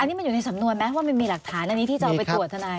อันนี้มันอยู่ในสำนวนไหมว่ามันมีหลักฐานอันนี้ที่จะเอาไปตรวจทนาย